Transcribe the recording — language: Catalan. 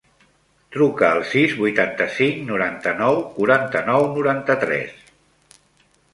Truca al sis, vuitanta-cinc, noranta-nou, quaranta-nou, noranta-tres.